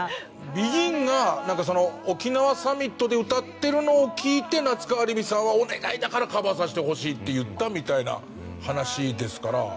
ＢＥＧＩＮが沖縄サミットで歌ってるのを聞いて夏川りみさんはお願いだからカバーさせてほしいって言ったみたいな話ですから。